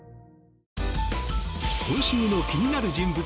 今週の気になる人物